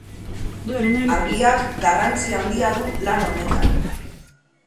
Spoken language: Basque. Argiak garrantzi handia du lan honetan.